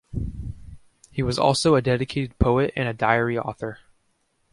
He was also a dedicated poet and a diary author.